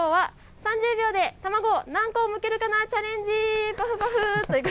きょうは３０秒で卵を何個むけるかなチャレンジ。